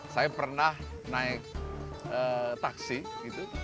saya pernah naik taksi gitu